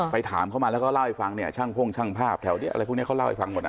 ถามเขามาแล้วก็เล่าให้ฟังเนี่ยช่างพ่งช่างภาพแถวนี้อะไรพวกนี้เขาเล่าให้ฟังหมดอ่ะ